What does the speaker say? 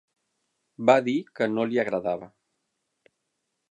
Va dir que no li agradava.